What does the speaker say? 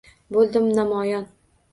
Bo’ldim namoyon.